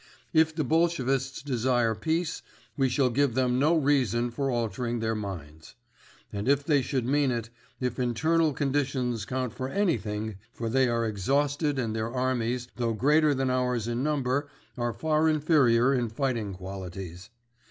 If the Bolshevists desire peace, we shall give them no reason for altering their minds. And they should mean it, if internal conditions count for anything, for they are exhausted and their armies, though greater than ours in number, are far inferior in fighting qualities.